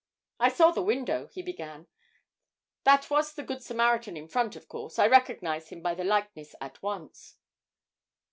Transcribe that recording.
'I saw the window,' he began; 'that was the Good Samaritan in front, of course. I recognised him by the likeness at once.'